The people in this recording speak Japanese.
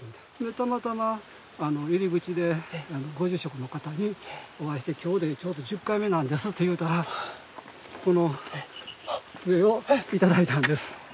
たまたま入り口でご住職の方にお会いして今日でちょうど１０回目なんですって言うたらこの杖をいただいたんです。